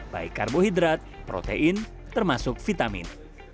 baik karbohidrat protein termasuk vitamin